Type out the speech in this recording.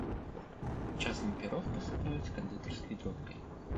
Часам пірог пасыпаюць кандытарскай дробкай.